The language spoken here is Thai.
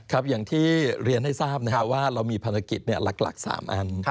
อย่างที่เรียนให้ทราบนะครับว่าเรามีภารกิจหลัก๓อัน